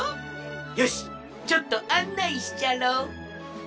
よしちょっとあんないしちゃろう。